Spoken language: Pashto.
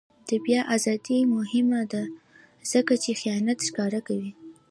د بیان ازادي مهمه ده ځکه چې خیانت ښکاره کوي.